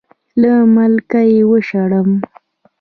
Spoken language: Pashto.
له ملکه یې وشړم.